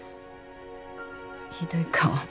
ひどい顔。